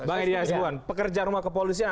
mbak elia s buwan pekerjaan rumah kepolisian